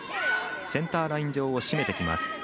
センターライン上を閉めてきます。